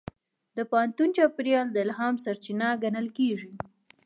د پوهنتون چاپېریال د الهام سرچینه ګڼل کېږي.